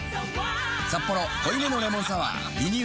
「サッポロ濃いめのレモンサワー」リニューアル